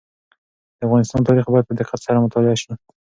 د افغانستان تاریخ باید په دقت سره مطالعه شي.